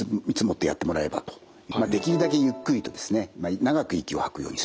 できるだけゆっくりとですね長く息を吐くようにすると。